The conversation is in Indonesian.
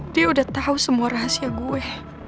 dia udah tahu semua rahasia gue